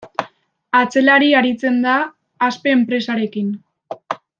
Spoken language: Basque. Atzelari aritzen da, Aspe enpresarekin.